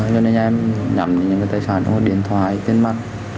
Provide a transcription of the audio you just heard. cho nên em nhận những tài sản trong một điện thoại tiền mặt